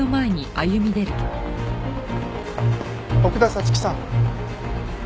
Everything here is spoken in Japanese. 奥田彩月さん。